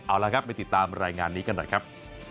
เอาละครับไปติดตามรายงานนี้กันหน่อยครับ